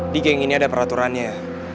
di geng ini ada peraturannya ya